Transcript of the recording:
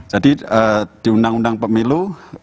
jadi di undang undang pemilu